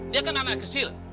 dia kan anak kecil